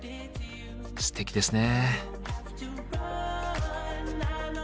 すてきですね。